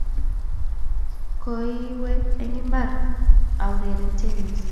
kiowe eng mbar aureren tenis.